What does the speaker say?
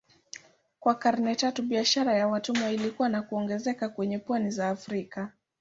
Kwa karne tatu biashara ya watumwa ilikua na kuongezeka kwenye pwani za Afrika.